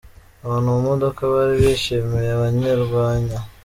Abantu mu modoka bari bishimiye abanyerwanya.